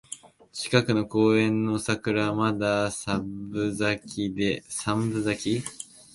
近くの公園の桜はまだ三分咲きだった